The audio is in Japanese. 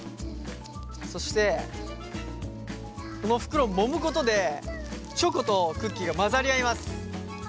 そしてこの袋をもむことでチョコとクッキーが混ざり合います。